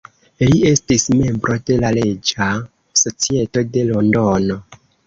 Li estis membro de la Reĝa Societo de Londono.